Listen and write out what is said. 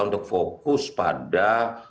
untuk fokus pada